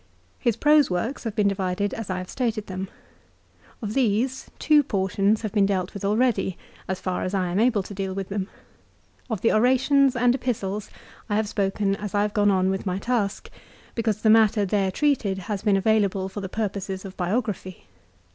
His prose works have been divided as I have stated them. Of these, two portions have been dealt with already, as far as I am able to deal with them. Of the Orations and Epistles I have spoken as I have gone on with my task, because the matter there treated has been available for the purposes of biography.